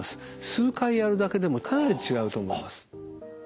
数回やるだけでもかなり違うと思います。